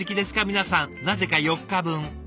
皆さんなぜか４日分。